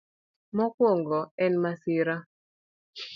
Mokwongo, en masira.